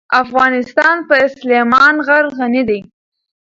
افغانستان په سلیمان غر غني دی.